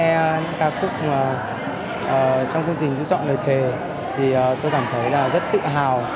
những ca khúc trong thông tin giữ chọn lời thề tôi cảm thấy rất tự hào